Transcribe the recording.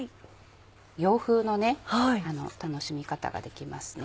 洋風の楽しみ方ができますね。